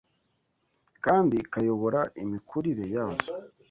kandi ikayobora imikurire yazo